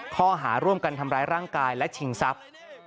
ข้อหาร่วมกันทำร้ายร่างกายและชิงทรัพย์